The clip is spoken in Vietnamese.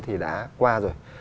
thì đã qua rồi